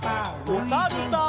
おさるさん。